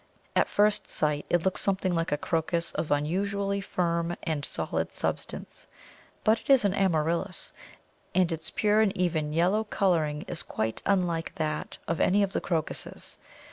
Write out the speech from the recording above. At first sight it looks something like a Crocus of unusually firm and solid substance; but it is an Amaryllis, and its pure and even yellow colouring is quite unlike that of any of the Crocuses.